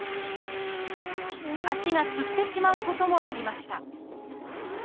足がつってしまうこともありました